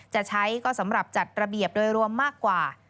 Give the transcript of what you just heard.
จะใช้ก็สำหรับจัดระเบียบโดยรวมมากกว่า